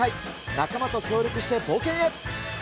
仲間と協力して冒険へ。